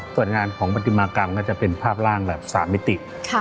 ส่วนงานของปฏิมากรรมก็จะเป็นภาพร่างแบบ๓มิติ